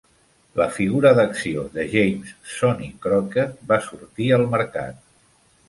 La figura d'acció de James "Sonny" Crockett va sortir al mercat.